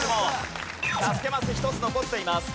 助けマス１つ残っています。